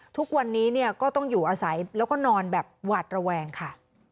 ทุกวันนี้เนี่ยก็ต้องอยู่อาศัยแล้วก็นอนแบบหวาดระแวงค่ะ